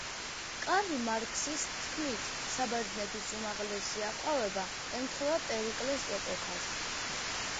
კარლ მარქსის თქმით საბერძნეთის უმაღლესი აყვავება ემთხვევა პერიკლეს ეპოქას.